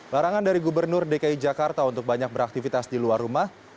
larangan dari gubernur dki jakarta untuk banyak beraktivitas di luar rumah